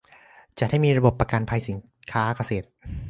จัดให้มีระบบประกันภัยสินค้าเกษตร